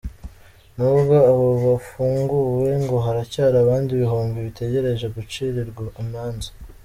Nubwo abo bafunguwe ngo haracyari abandi ibihumbi bagitegereje gucirirwa imanza.